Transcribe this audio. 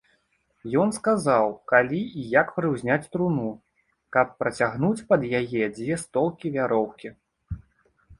Ён сказаў, калі і як прыўзняць труну, каб працягнуць пад яе дзве столкі вяроўкі.